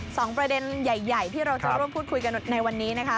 สองประเด็นใหญ่ที่เราจะร่วมพูดคุยกันในวันนี้นะคะ